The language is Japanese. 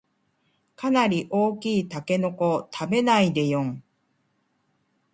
かなり大きいタケノコを食べないでよん